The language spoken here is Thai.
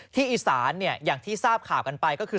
ที่อีสานเนี่ยอย่างที่ทราบข่าวกันไปก็คือ